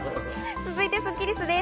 続いてスッキりすです。